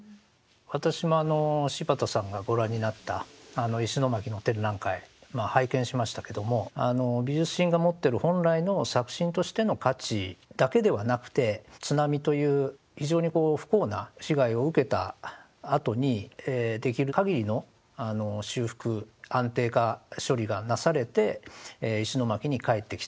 私も柴田さんがご覧になった石巻の展覧会拝見しましたけども美術品が持ってる本来の作品としての価値だけではなくて津波という非常にこう不幸な被害を受けたあとにできるかぎりの修復安定化処理がなされて石巻にかえってきた。